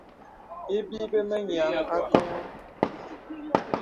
Ibi bə mə nyə nyèaŋ akɔŋɔ.